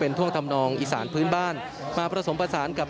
และก็มีการกินยาละลายริ่มเลือดแล้วก็ยาละลายขายมันมาเลยตลอดครับ